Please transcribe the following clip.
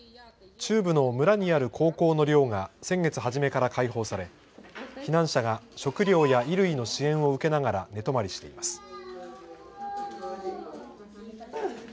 中部の村にある高校の寮が先月はじめから開放され、避難者が食料や衣類の支援を受けながら寝泊まりしています。